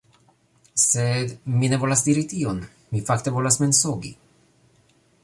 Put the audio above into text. Sed... mi ne volas diri tion. Mi fakte volas mensogi.